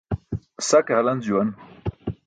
Sa ke halanc juwn.